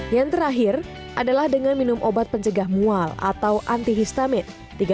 yang terakhir adalah dengan minum obat pencegah mual atau antihistamit